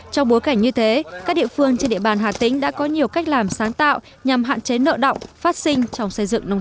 trong bối cảnh như thế các địa phương trên địa bàn hà tĩnh đã có nhiều cách làm sáng tạo nhằm hạn chế nợ động